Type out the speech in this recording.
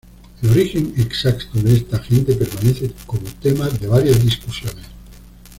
El origen exacto de esta gente permanece como tema de varias discusiones.